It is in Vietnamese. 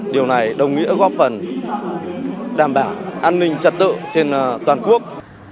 điều này đồng nghĩa góp phần đảm bảo an ninh trật tự trên toàn quốc